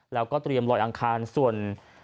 แล้วก็เตรียมลอยอังคารส่วน